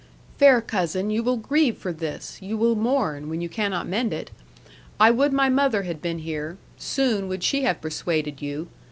'"Fair cousin, you will grieve for this; you will mourn, when you cannot mend it. I would my mother had been here, soon would she have persuaded you.